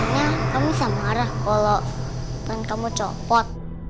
sebenarnya kau bisa marah kalau boneka mau copot